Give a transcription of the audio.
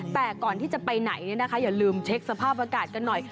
แต่ก่อนที่จะไปไหนอย่าลืมเช็คสภาพอากาศกันหน่อย